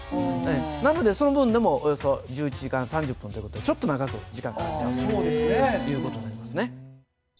なのでその分でもおよそ１１時間３０分という事でちょっと長く時間かかっちゃうという事になりますね。